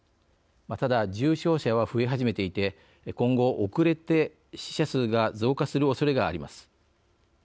ただ、重症者は増え始めていて今後、遅れて死者数が増加するおそれがあります。